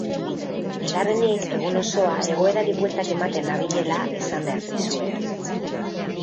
Bigarrenik, egun osoa egoerari bueltak ematen nabilela esan behar dizuet.